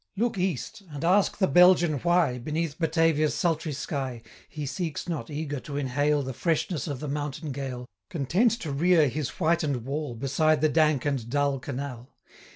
Look east, and ask the Belgian why, Beneath Batavia's sultry sky, 130 He seeks not eager to inhale The freshness of the mountain gale, Content to rear his whiten'd wall Beside the dank and dull canal?